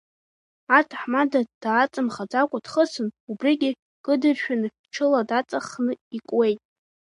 Аҭаҳмада дааҵамхаӡакәа дхысын, убригьы кыдыршәаны, ҽыла даҵаххны икуеит.